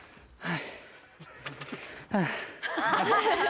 はい。